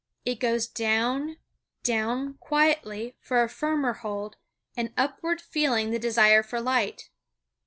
It goes down, down quietly for a firmer hold, and upward feeling the desire for light.